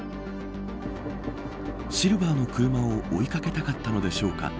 シルバーの車を追い掛けたかったのでしょうか。